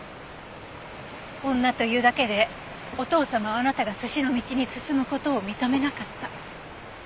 女というだけでお父様はあなたが寿司の道に進む事を認めなかった。